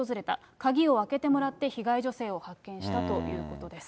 鍵を開けてもらって、被害女性を発見したということです。